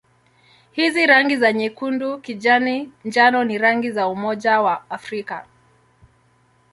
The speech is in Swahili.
Hizi rangi za nyekundu-kijani-njano ni rangi za Umoja wa Afrika.